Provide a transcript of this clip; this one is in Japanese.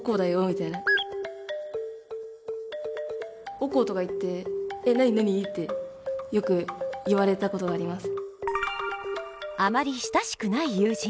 「おこ」とか言って「え？なになに？」ってよく言われた事があります。